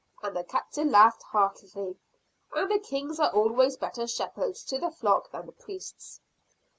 and the Captain laughed heartily. "And the Kings are always better shepherds to the flock than the Priests."